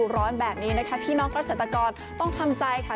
ร้อนแบบนี้นะคะที่นากฎิการต้องทำใจค่ะ